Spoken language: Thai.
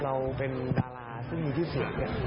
เราเป็นดาราซึ่งมีชื่อเสียง